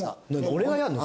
俺がやるの？